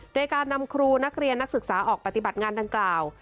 โดยการนำครูนักเรียนนักศึกษาออกปฏิบัติงานดังกล่าว